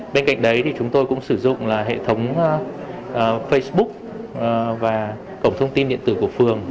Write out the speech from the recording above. bên cạnh đấy thì chúng tôi cũng sử dụng hệ thống facebook và cổng thông tin điện tử của phường